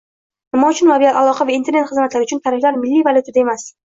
Nima uchun mobil aloqa va Internet xizmatlari uchun tariflar milliy valyutada emas